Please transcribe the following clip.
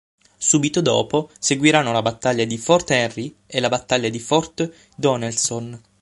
Subito dopo seguiranno la battaglia di Fort Henry e la battaglia di Fort Donelson.